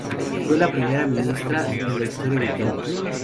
Fue la primera ministra en la historia de Italia.